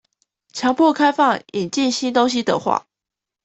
強迫開放、引進新東西的話